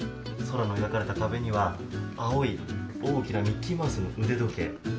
空が描かれた壁には青い大きなミッキーマウスの腕時計。